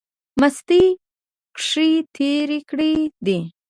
مستۍ کښې تېر کړی دی۔